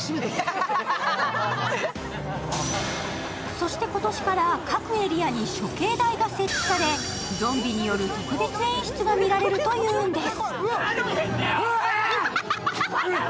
そして今年から各エリアに処刑台が設置されゾンビによる特別演出が見られるというんです